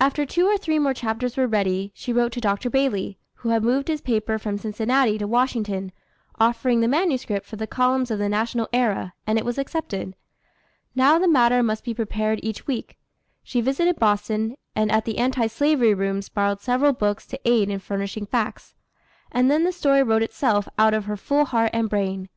After two or three more chapters were ready, she wrote to Dr. Bailey, who had moved his paper from Cincinnati to Washington, offering the manuscript for the columns of the National Era, and it was accepted. Now the matter must be prepared each week. She visited Boston, and at the Anti Slavery rooms borrowed several books to aid in furnishing facts. And then the story wrote itself out of her full heart and brain.